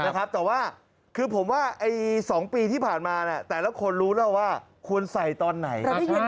แต่ว่าคือผมว่า๒ปีที่ผ่านมาแต่ละคนรู้แล้วว่าควรใส่ตอนไหน